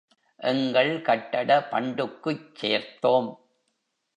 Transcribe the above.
எங்கள் கட்டட பண்டுக்குச் சேர்த்தோம்.